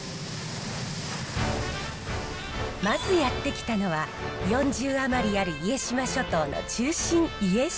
まずやって来たのは４０余りある家島諸島の中心家島。